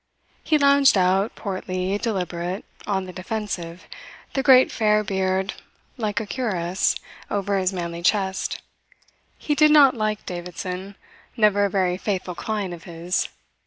He lounged out, portly, deliberate, on the defensive, the great fair beard like a cuirass over his manly chest. He did not like Davidson, never a very faithful client of his.